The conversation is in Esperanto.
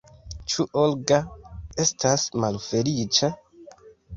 Ĉu Olga estas malfeliĉa?